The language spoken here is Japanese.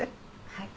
はい。